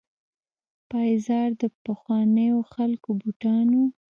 پایزار د پخوانیو خلکو بوټان وو.